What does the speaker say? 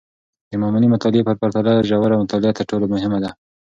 د معمولي مطالعې په پرتله، ژوره مطالعه تر ټولو مهمه ده.